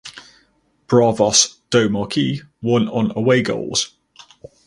Bravos do Maquis won on away goals.